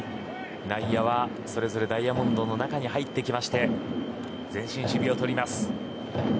内野はそれぞれダイヤモンドの中に入って前進守備です。